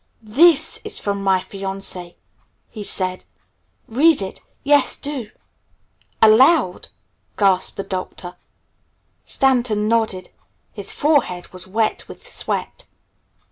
"This is from my fiancée," he said. "Read it. Yes, do." "Aloud?" gasped the Doctor. Stanton nodded. His forehead was wet with sweat.